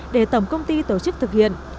để tổng công ty tổ chức thực hiện